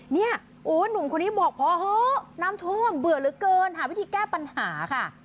เนี่ยโอ้หนุ่มคนนี้บอกพอเถอะน้ำท่วมเบื่อเหลือเกินหาวิธีแก้ปัญหาค่ะ